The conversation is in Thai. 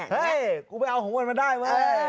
เฮ้ยกูไปเอาของมันมาได้เว้ย